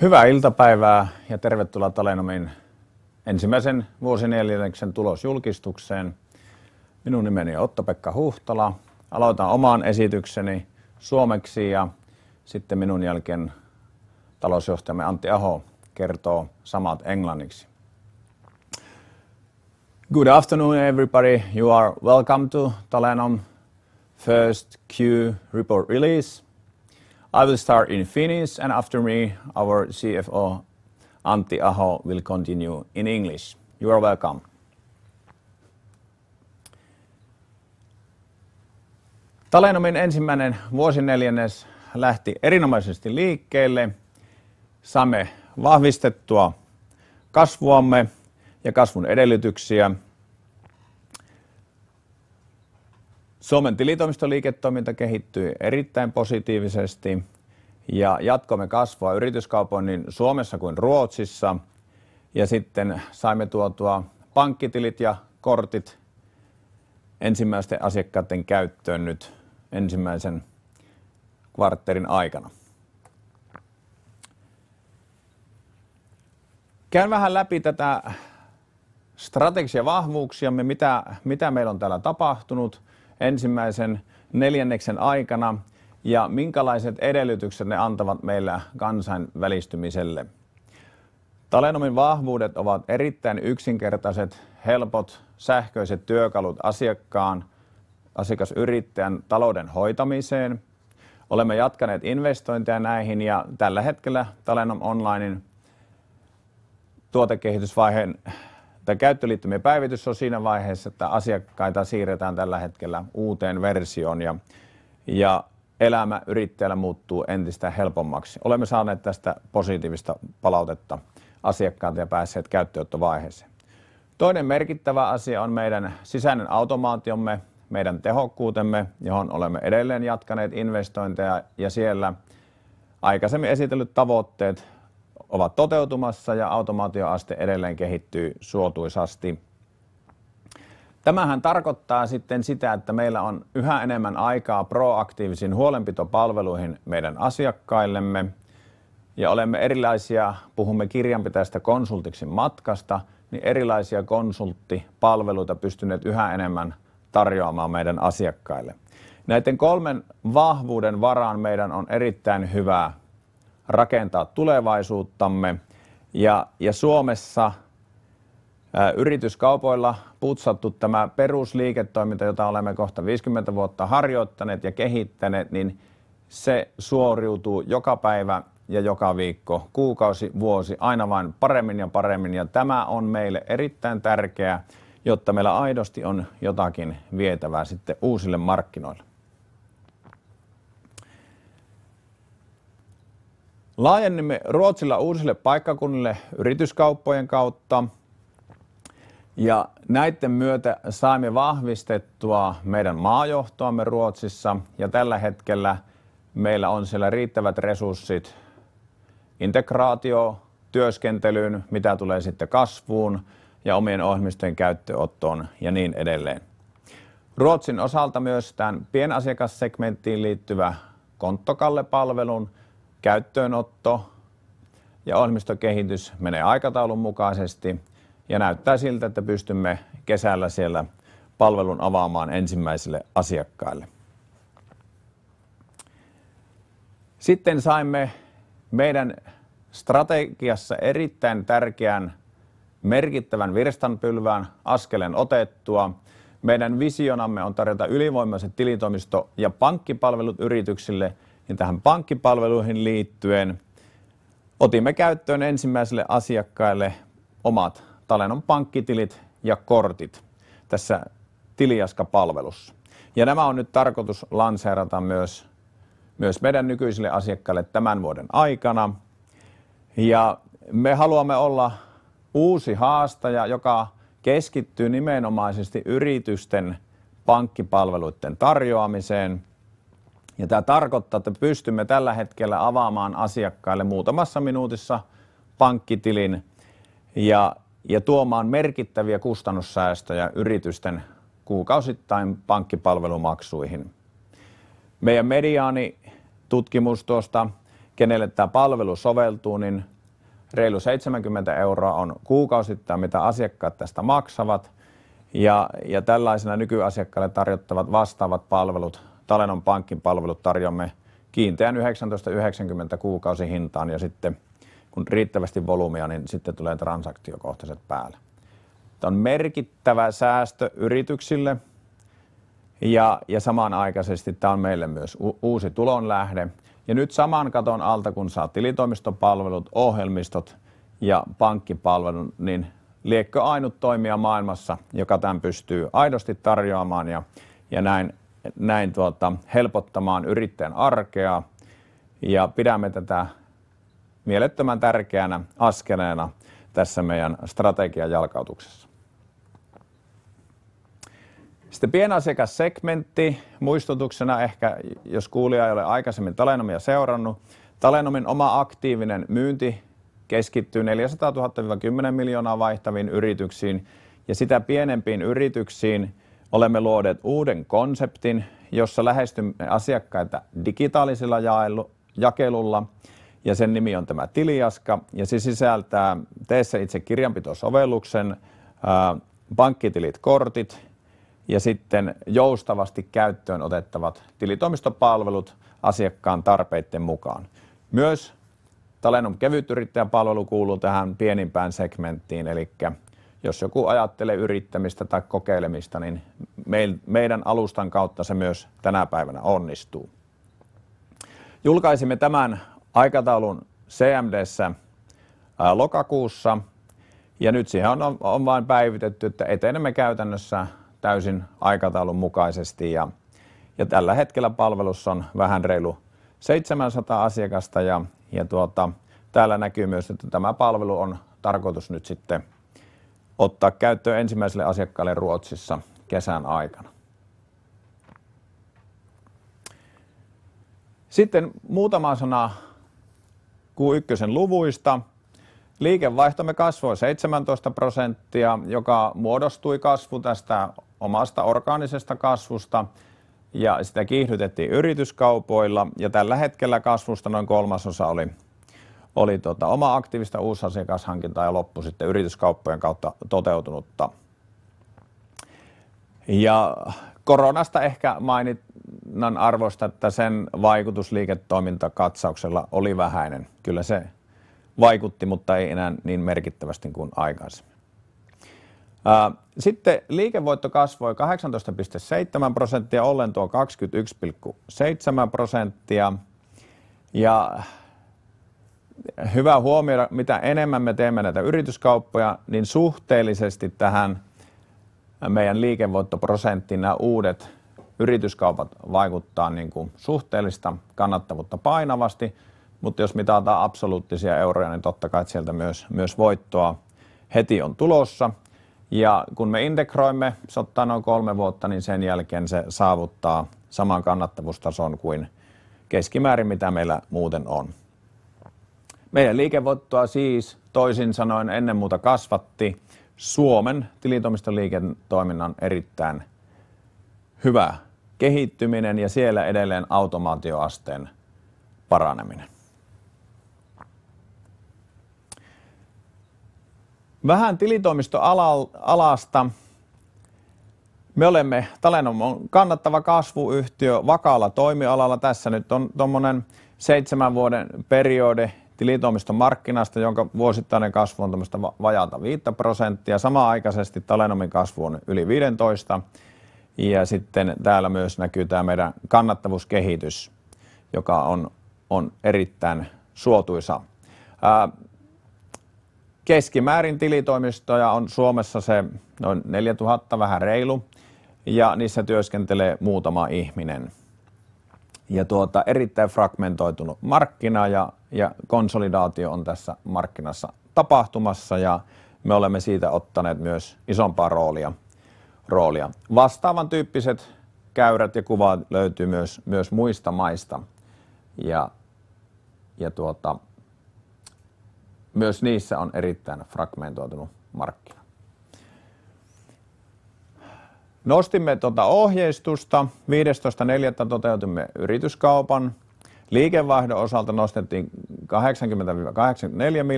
Good afternoon, everybody. You are welcome to Tallinnam 1st Q report release. I will start in Finnish. And after me, our CFO,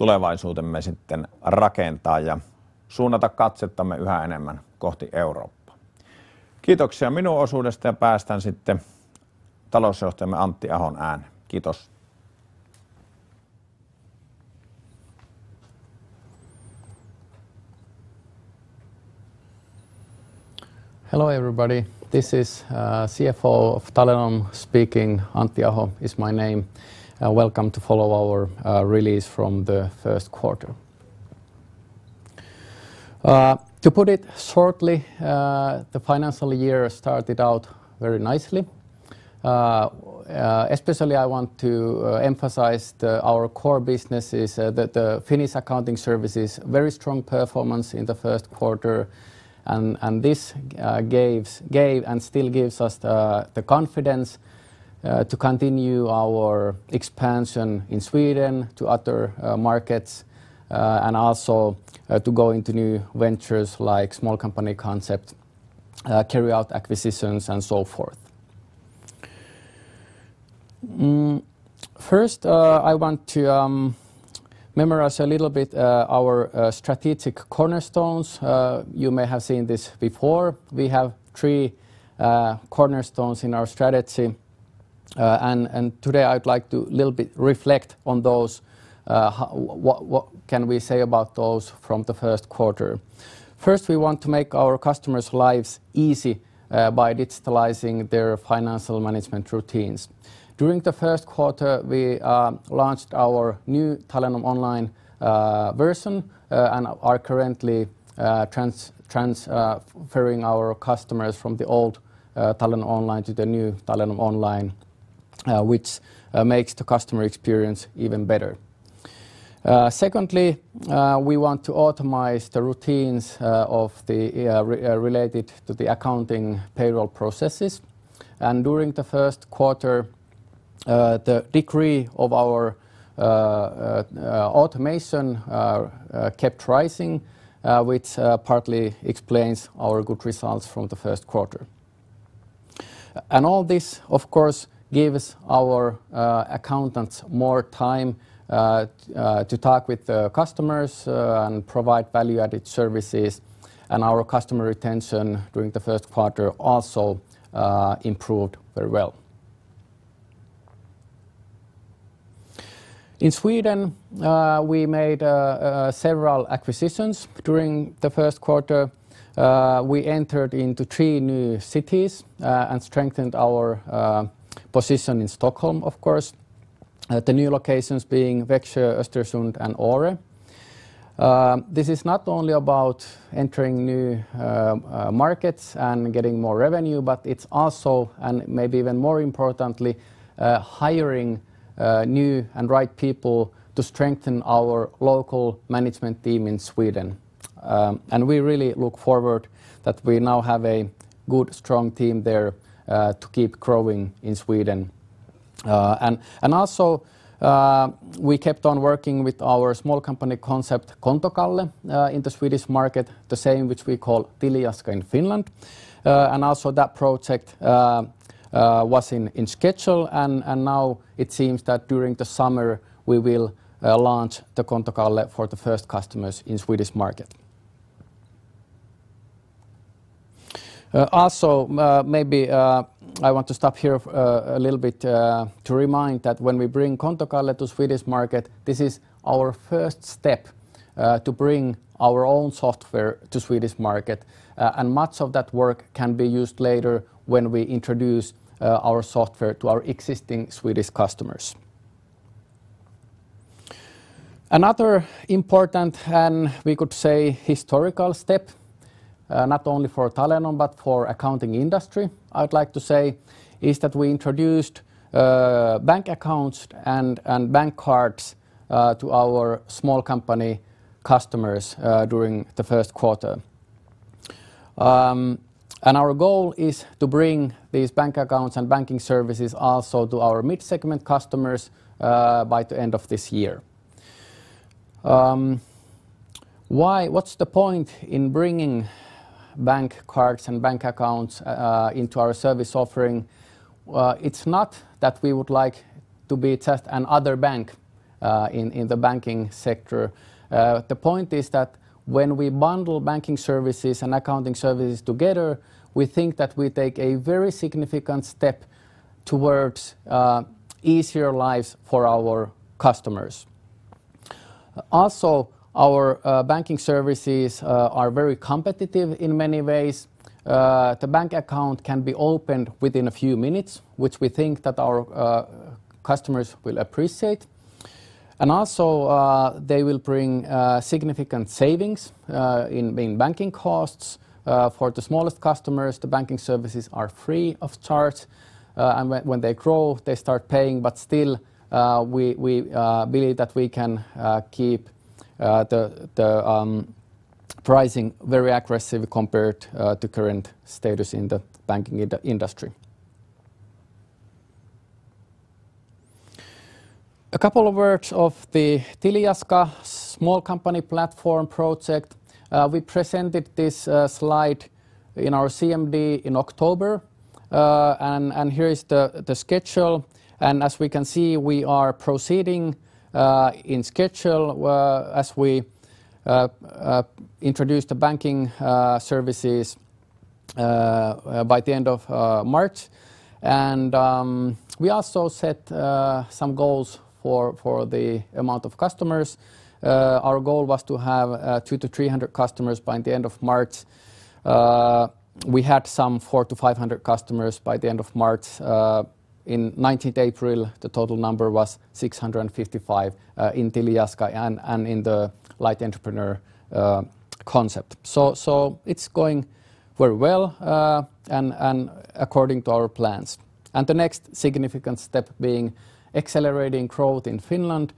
Hello, everybody. This is CFO of Tallinnom speaking. Antti Aho is my name. Welcome to follow our release from the Q1. To put it shortly, the financial year started out very nicely. Especially, I want to emphasize our core businesses that Finnish Accounting Services, very strong performance in the Q1. And this gave and still gives us the confidence to continue our expansion in Sweden to other markets and also to go into new ventures like small company concept, carryout acquisitions and so forth. First, I want to Memorize a little bit our strategic cornerstones. You may have seen this before. We have 3 Cornerstones in our strategy. And today, I'd like to a little bit reflect on those, what can we say about those from the Q1. First, we want to make our customers' lives easy by digitalizing their financial management routines. During the Q1, we launched our new Telenom online version and are currently transferring our customers from the old Tallinn Online to the new Tallinn Online, which makes the customer experience even better. Secondly, we want to optimize the routines of the related to the accounting payroll processes. And during the Q1, the degree of our Automation kept rising, which partly explains our good results from the Q1. And all this, of course, gives our accountants more time to talk with customers and provide value added services. And our customer retention during the Q1 also improved very well. In Sweden, we made several acquisitions During the Q1, we entered into 3 new cities and strengthened our position in Stockholm, of course, the new locations being Weksha, Ostersund and Ore. This is not only about entering new markets and getting more revenue, but it's also and maybe even more importantly, hiring new and right people to strengthen our local management team in Sweden. And we really look forward that we now have a good strong team there to keep growing in Sweden. And also, we kept on working with our small company concept in the Swedish market, the same which we call Tilleyasco in Finland. And also that project was in schedule. And now it seems that during the summer, we will launch the Kontakalle for the first customers in Swedish market. Also maybe I want to stop here a little bit To remind that when we bring Kontokale to Swedish market, this is our first step to bring our own software to Swedish market. And much of that work can be used later when we introduce our software to our existing Swedish customers. Another important and we could say historical step, not only for Telenom, but for accounting industry, I'd like to say is that we introduced bank accounts and bank cards to our small company customers during the Q1. And our goal is to bring these bank accounts and banking services also to mid segment customers by the end of this year. Why what's the point in bringing bank cards and bank accounts into our service offering. It's not that we would like to be just another bank in the banking sector. The point is that when we bundle banking services and accounting services together, We think that we take a very significant step towards easier lives for our customers. Also our banking services are very competitive in many ways. The bank account can be opened within a few minutes, which we think that our customers will appreciate. And also, they will bring significant savings In banking costs, for the smallest customers, the banking services are free of charge. And when they grow, they start paying. But still, We believe that we can keep the pricing very aggressive compared to current status in the banking industry. A couple of words of the Tiljaska Small company platform project. We presented this slide in our CMD in October, And here is the schedule. And as we can see, we are proceeding in schedule as we introduced the banking services by the end of March. And we also set some goals for the amount of customers. Our goal was to have 200 to 300 customers by the end of March. We had some 400 to 500 customers by the end of March. In 19 April, the total number was 6.55 in Tyliaskai and in the light entrepreneur concept. So it's going very well and according to our plans. And the next significant step being accelerating growth in Finland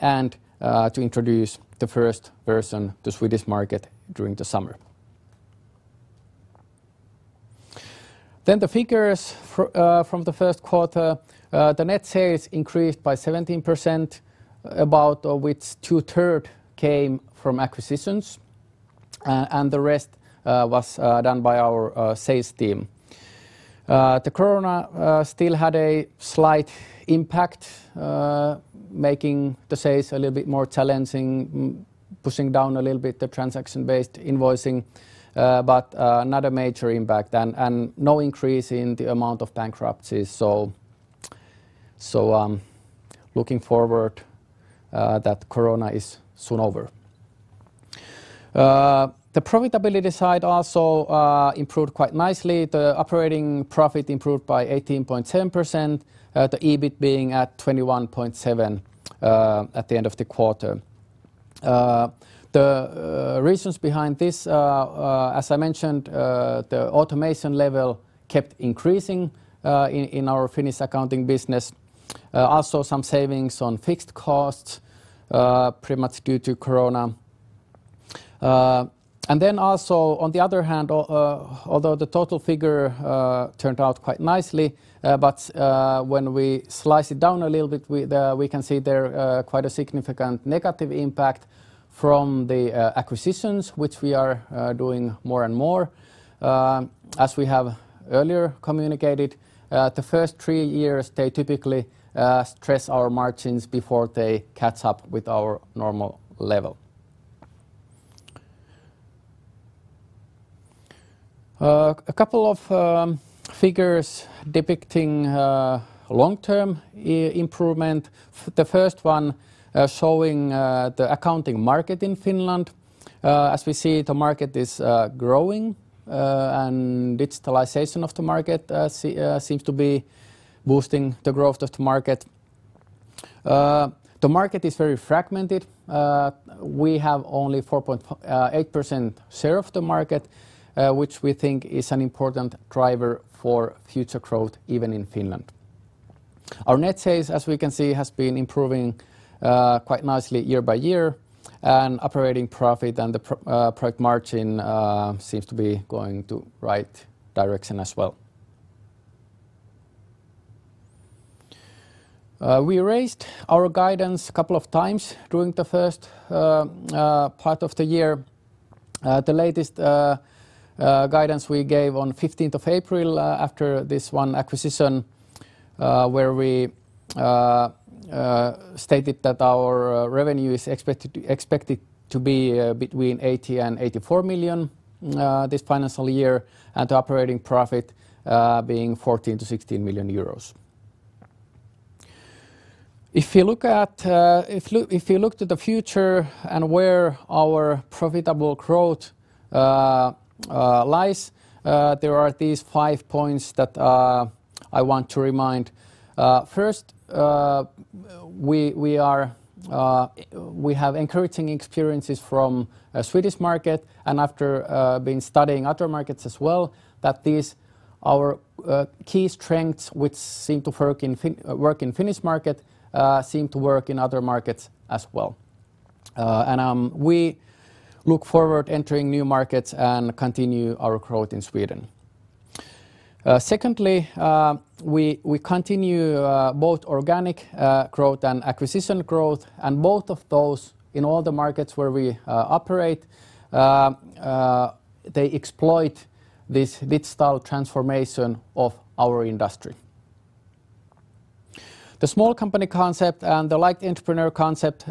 and to introduce the first version to Swedish market during the summer. Then the figures from the Q1. The net sales increased by 17%, about of which twothree came from acquisitions and the rest was done by our sales team. The corona still had a slight impact, making the sales a little bit more challenging, pushing down a little bit the transaction based invoicing, but not a major impact and no increase in the amount of bankruptcies. So looking forward, that corona is soon over. The profitability side also improved quite nicely. The operating profit improved by 18.7%, the EBIT being at 21.7% at the end of the quarter. The reasons behind this, as I mentioned, The automation level kept increasing in our Finnish accounting business. Also some savings on fixed costs, pretty much due to corona. And then also on the other hand, although the total figure turned out quite nicely, But when we slice it down a little bit, we can see there quite a significant negative impact From the acquisitions, which we are doing more and more, as we have earlier communicated, The 1st 3 years, they typically stress our margins before they catch up with our normal level. A couple of figures Depicting long term improvement. The first one showing the accounting market in Finland. As we see, the market is growing and digitalization of the market seems to be boosting the growth of the market. The market is very fragmented. We have only 4.8% share of the market, which we think is an important driver for future growth even in Finland. Our net sales, as we can see, has been improving quite nicely year by year. And operating profit and the product margin seems to be going to right direction as well. We raised our guidance a couple of times during the first part of the year. The latest guidance we gave on 15th April after this one acquisition, where we stated that our revenue is expected to be between €80,000,000 84,000,000 this financial year and operating profit being €14,000,000 to €16,000,000 If you look The future and where our profitable growth lies, there are these 5 points that I want to remind, first, we are we have encouraging experiences from Swedish market. And after been studying other markets as well that these our key strengths, which seem to work in Finnish market, seem to work in other markets as well. And we look forward entering new markets and continue our growth in Sweden. Secondly, we continue both organic growth and acquisition growth. And both of those In all the markets where we operate, they exploit this mid style transformation of our industry. The small company concept and the like entrepreneur concept,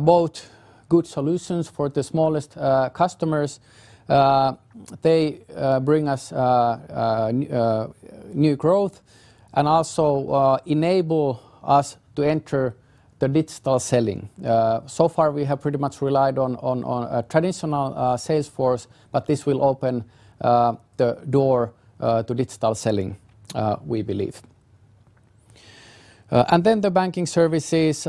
both good solutions for the smallest customers. They bring us new growth and also enable us to enter the digital selling. So far, we have pretty much relied on a traditional sales force, but this will open the door to digital selling, we believe. And then the banking services,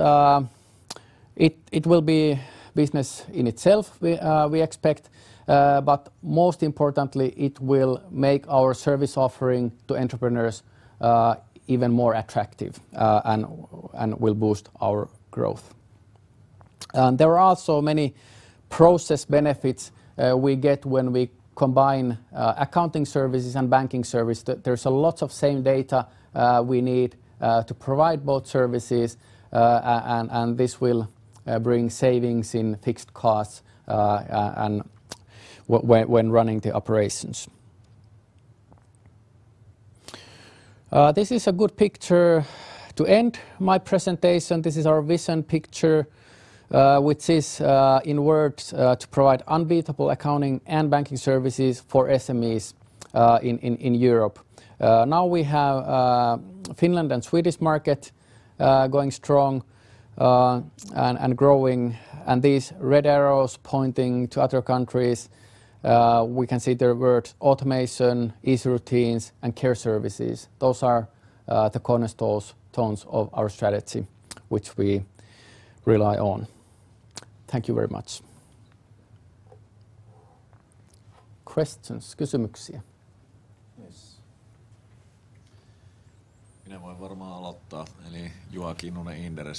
It will be business in itself, we expect. But most importantly, it will make our service offering to entrepreneurs even more attractive and will boost our growth. There are also many Process benefits we get when we combine accounting services and banking service. There's a lot of same data We need to provide both services and this will bring savings in fixed costs and when running the operations. This is a good picture To end my presentation, this is our vision picture, which is in words to provide unbeatable accounting and banking services for SMEs in Europe. Now we have Finland and Swedish market going strong and growing. And these red arrows pointing to other countries, We can see there were automation, easy routines and care services. Those are the cornerstones tons of our strategy which we rely on. Thank you very much.